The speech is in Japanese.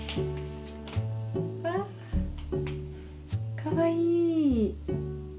かわいい！